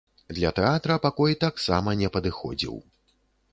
Для тэатра пакой таксама не падыходзіў.